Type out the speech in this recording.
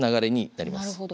なるほど。